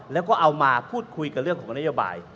แล้วก็เอามาพูดคุยกับเรื่องของนโยบาย